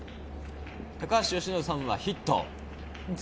由伸さんはヒット。